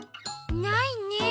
ないねえ。